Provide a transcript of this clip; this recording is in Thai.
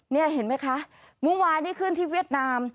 นี่เห็นไหมคะเมื่อวานนี้ขึ้นที่เวียดนาม